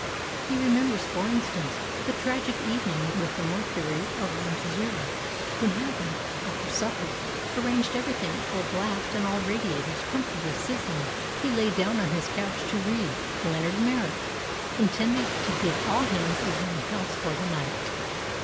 He remembers, for instance, the tragic evening with the mercury around zero, when, having (after supper) arranged everything at full blast and all radiators comfortably sizzling, he lay down on his couch to read Leonard Merrick, intending to give all hands a warm house for the night.